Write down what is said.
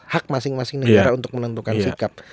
hak masing masing negara untuk menentukan sikap